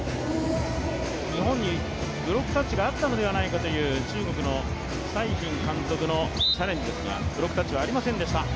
日本にブロックタッチがあったのではないかという中国のサイ・ヒン監督のチャレンジでしたが、ブロックタッチはありませんでした。